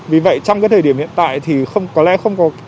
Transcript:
vì vậy trong thời điểm hiện tại thì có lẽ không có